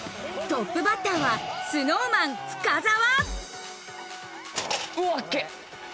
トップバッターはＳｎｏｗＭａｎ深澤。